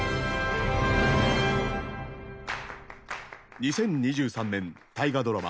２０２３年大河ドラマ